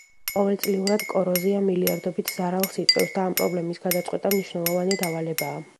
ყოველწლიურად კოროზია მილიარდობით ზარალს იწვევს, და ამ პრობლემის გადაწყვეტა მნიშვნელოვანი დავალებაა.